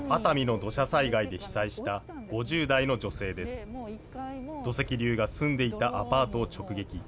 土石流が住んでいたアパートを直撃。